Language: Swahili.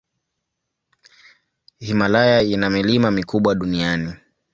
Himalaya ina milima mikubwa duniani.